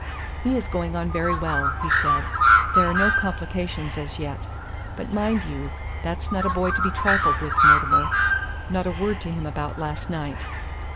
"He is going on very well," he said; "there are no complications as yet. But mind you, that's not a boy to be trifled with, Mortimer. Not a word to him about last night."